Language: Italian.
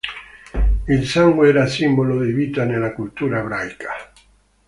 Il sangue era simbolo di vita nella cultura ebraica.